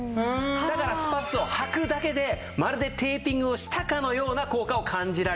だからスパッツをはくだけでまるでテーピングをしたかのような効果を感じられるんです。